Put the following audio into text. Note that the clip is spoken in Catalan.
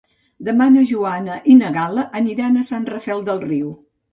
Demà na Joana i na Gal·la aniran a Sant Rafel del Riu.